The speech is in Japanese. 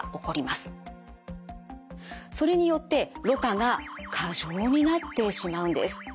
それによってろ過が過剰になってしまうんです。